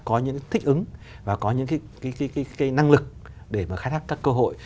có những cái thích ứng và có những cái năng lực để mà khai thác các cơ hội